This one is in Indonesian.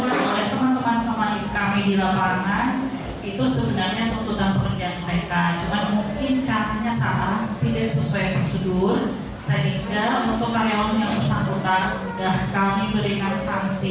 sedihkan untuk karyawan yang bersangkutan kami berikan sanksi